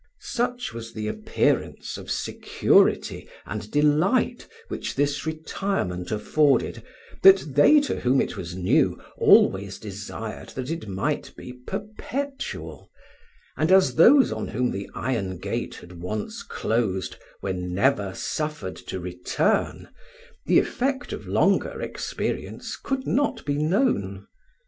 Such was the appearance of security and delight which this retirement afforded, that they to whom it was new always desired that it might be perpetual; and as those on whom the iron gate had once closed were never suffered to return, the effect of longer experience could not be known.